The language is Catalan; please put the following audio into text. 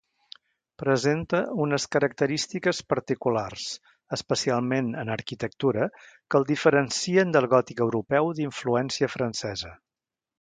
Presenta unes característiques particulars, especialment en arquitectura, que el diferencien del gòtic europeu d'influència francesa.